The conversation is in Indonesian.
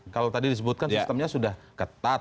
kalau tadi disebutkan sistemnya sudah ketat